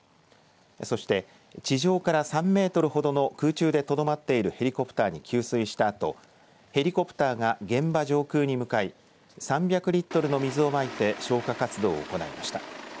そして地上から３メートルほどの空中でとどまっているヘリコプターに給水したあとヘリコプターが現場上空に向かい３００リットルの水をまいて消火活動を行いました。